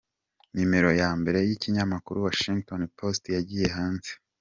Numero ya mbere y’ikinyamakuru Washington Post yagiye hanze.